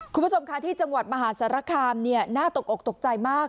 คุณผู้ชมค่ะที่จังหวัดมหาสารคามน่าตกอกตกใจมาก